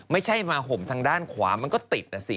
ไม่ใช่มาห่มทางด้านขวามันก็ติดนะสิ